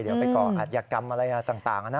เดี๋ยวไปอัดยักรรมอะไรต่างน่ะ